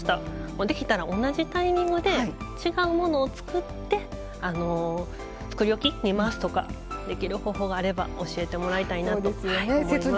できたら同じタイミングで違うものを作って作り置きに回すとかできる方法があれば教えてもらいたいなと思います。